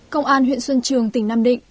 công an huyện xuân trường tỉnh nam định